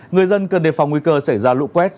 người dân cần đề phòng nguy cơ xảy ra lũ quét